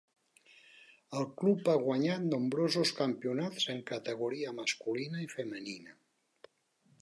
El club ha guanyat nombrosos campionats en categoria masculina i femenina.